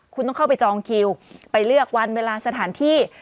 คุณต้องเข้าไปจองคิวไปเลือกวันเวลาสถานที่